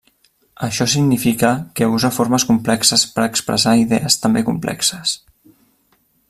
Això significa que usa formes complexes per expressar idees també complexes.